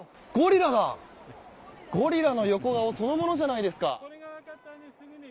ゴリラの横顔そのものじゃないですか。